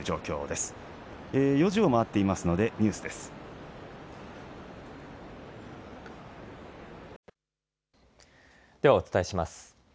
ではお伝えします。